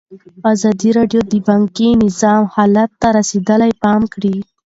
ازادي راډیو د بانکي نظام حالت ته رسېدلي پام کړی.